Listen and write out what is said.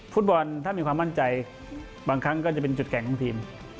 ฟุตบอลถ้ามีความมั่นใจบางครั้งก็จะเป็นจุดแข่งของทีม